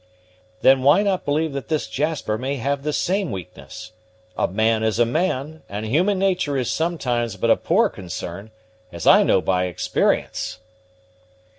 "Then why not believe that this Jasper may have the same weakness? A man is a man, and human nature is sometimes but a poor concern, as I know by experience."